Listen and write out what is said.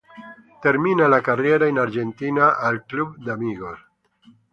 Termina la carriera in Argentina al Club de Amigos.